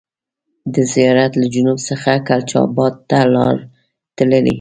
د زیارت له جنوب څخه کلچا بات ته لار تللې.